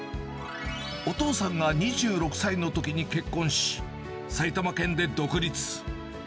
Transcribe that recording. お父さんが２６歳のときに結婚し、埼玉県で独立。